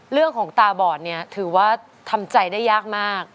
เรื่องของตาบอดเนี่ยถือว่าทำใจได้ยากมาก